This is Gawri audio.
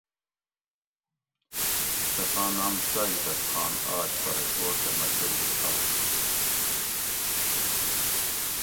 تساں نام شاہ عزت خان آش پرہ شوٹ دہ مشہور آش